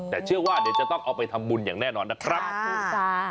แต่เชื่อว่าเดี๋ยวจะต้องเอาไปทำบุญอย่างแน่นอนนะครับขอบคุณค่ะ